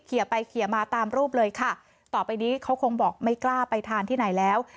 ไปเขียมาตามรูปเลยค่ะต่อไปนี้เขาคงบอกไม่กล้าไปทานที่ไหนแล้ว